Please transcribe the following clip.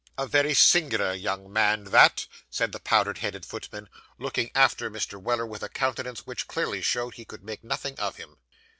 'A very singular young man that,' said the powdered headed footman, looking after Mr. Weller, with a countenance which clearly showed he could make nothing of him.